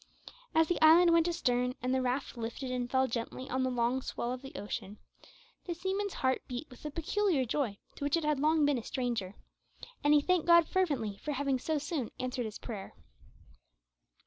As the island went astern, and the raft lifted and fell gently on the long swell of the ocean, the seaman's heart beat with a peculiar joy to which it had long been a stranger, and he thanked God fervently for having so soon answered his prayer.